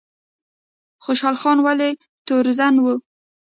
خوشحال خان ولې تورزن و؟